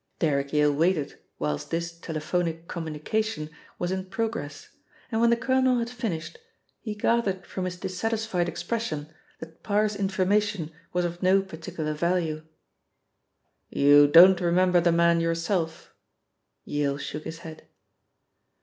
Derrick Yale waited whilst this telephonic communication was in progress, and when the colonel had finished, he gathered from his dissatisfied expression that Parr's information was of no particular value. "You don't remember the man yourself?" Yale shook his head.